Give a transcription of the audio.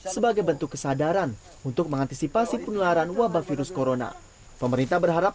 sebagai bentuk kesadaran untuk mengantisipasi penularan wabah virus corona pemerintah berharap